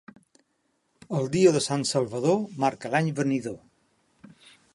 El dia de Sant Salvador marca l'any venidor.